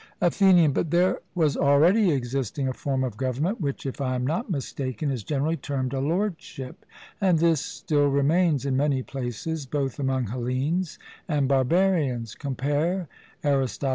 ATHENIAN: But there was already existing a form of government which, if I am not mistaken, is generally termed a lordship, and this still remains in many places, both among Hellenes and barbarians (compare Arist.